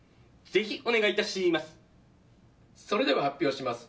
ぜひ、お願い致します。